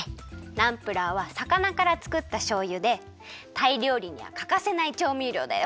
ナンプラーはさかなからつくったしょうゆでタイりょうりにはかかせないちょうみりょうだよ。